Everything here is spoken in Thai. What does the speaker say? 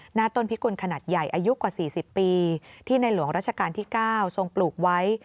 หน้าต้นพิกุลขนาดใหญ่อายุกว่า๔๐ปีที่ในหลวงราชการที่๙ทรงปลูกไว้